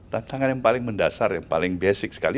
tantangan yang paling mendasar yang paling basic sekali